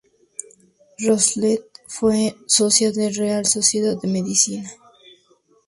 Russell fue socia de la Real Sociedad de Medicina.